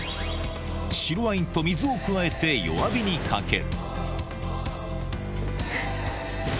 白ワインと水を加えて弱火にかける。